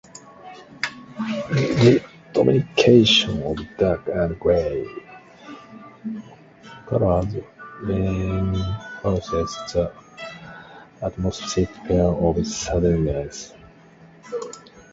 The domination of dark and grey colours reinforces the atmosphere of sadness.